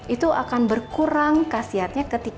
itu akan berkurang kasiatnya ketika dikandungan penting teh